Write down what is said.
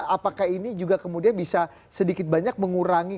apakah ini juga kemudian bisa sedikit banyak mengurangi